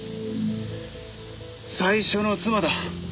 最初の妻だ。